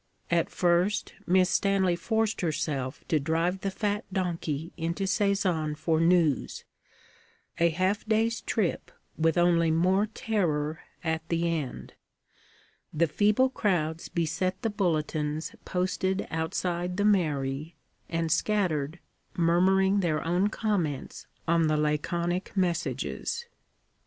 At first Miss Stanley forced herself to drive the fat donkey into Sézanne for news a half day's trip with only more terror at the end. The feeble crowds beset the bulletins posted outside the mairie, and scattered, murmuring their own comments on the laconic messages.